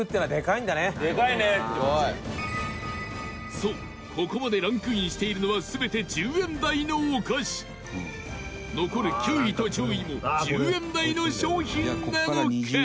そう、ここまでランクインしているのは全て１０円台のお菓子残る９位と１０位も１０円台の商品なのか？